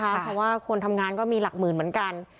เพราะว่าคนทำงานก็มีหลักหมื่นเหมือนกัน